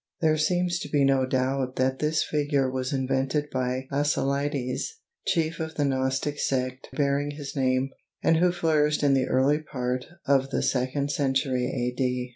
There seems to be no doubt that this figure was invented by Basilides, chief of the Gnostic sect bearing his name, and who flourished in the early part of the second century A.D.